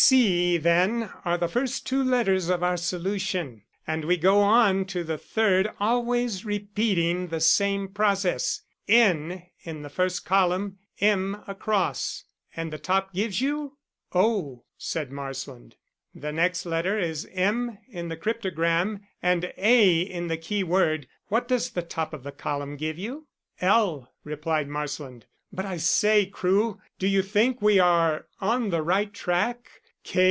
"KC, then, are the first two letters of our solution, and we go on to the third, always repeating the same process. N in the first column, M across, and the top gives you?" "O," said Marsland. "The next letter is M in the cryptogram and A in the keyword. What does the top of the column give you?" "L," replied Marsland. "But I say, Crewe, do you think we are on the right track?